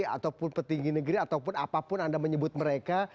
ataupun petinggi negeri ataupun apapun anda menyebut mereka